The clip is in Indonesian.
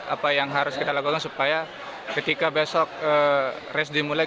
apa yang harus kita lakukan supaya ketika besok race dimulai